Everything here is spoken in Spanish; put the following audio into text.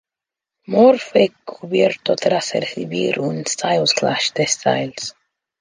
Moore fue cubierto tras recibir un "Styles Clash" de Styles.